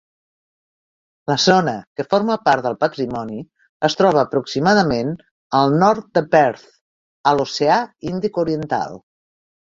La zona, que forma part del patrimoni, es troba aproximadament al nord de Perth, a l'Oceà Índic oriental.